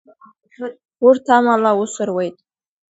Урҭ амала аус руеит.